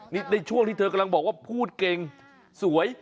นี่ในช่วงที่เธอกำลังบอกว่าพูดเก่งสวย